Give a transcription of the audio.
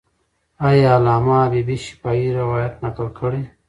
آیا علامه حبیبي شفاهي روایت نقل کړی؟